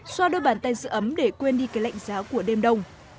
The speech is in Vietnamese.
xoa đôi bàn tay giữ ấm để quên đi cái lạnh giá của đêm đông